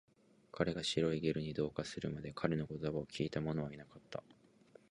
彼が白いゲルに同化するまで、彼の言葉を聞いたものはいなかった